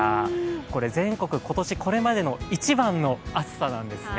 これ全国今年これまでの一番の暑さなんですね。